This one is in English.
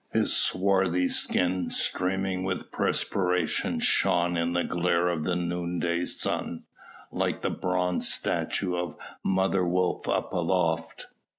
His swarthy skin streaming with perspiration shone in the glare of the noonday sun like the bronze statue of mother wolf up aloft.